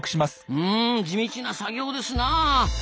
うん地道な作業ですなあ。